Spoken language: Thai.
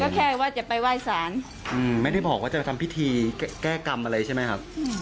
ก็แค่ว่าจะไปไหว้สารไม่ได้บอกว่าจะไปทำพิธีแก้กรรมอะไรใช่ไหมครับ